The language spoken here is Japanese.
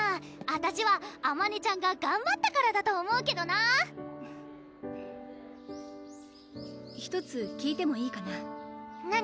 あたしはあまねちゃんががんばったからだと思うけどな１つ聞いてもいいかな何？